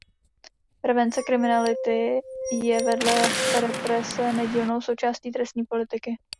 Prevence kriminality je vedle represe nedílnou součástí trestní politiky.